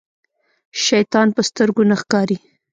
شيطان په سترګو نه ښکاري.